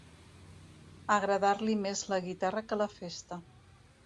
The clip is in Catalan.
Agradar-li més la guitarra que la festa.